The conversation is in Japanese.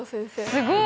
すごい。